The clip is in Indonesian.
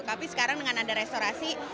tapi sekarang dengan ada restorasi